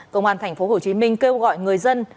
công an tp hcm kêu gọi người dân